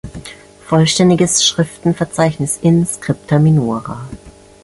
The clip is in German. Vollständiges Schriftenverzeichnis in: "Scripta minora.